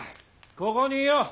ここにいよう！